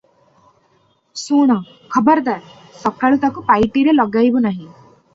ଶୁଣ, ଖବରଦାର! ସକାଳୁ ତାକୁ ପାଇଟିରେ ଲଗାଇବୁ ନାହିଁ ।